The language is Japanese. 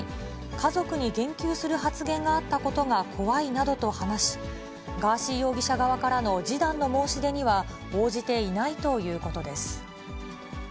家族に言及する発言があったことが怖いなどと話し、ガーシー容疑者側からの示談の申し出には応じていないということです。